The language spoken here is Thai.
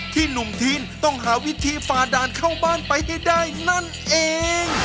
หนุ่มทีนต้องหาวิธีฝ่าด่านเข้าบ้านไปให้ได้นั่นเอง